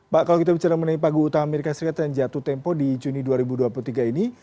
pak kalau kita bicara mengenai pagu utama amerika serikat yang jatuh tempo di juni dua ribu dua puluh tiga ini